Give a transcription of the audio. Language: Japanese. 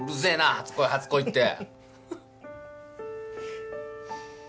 初恋初恋って。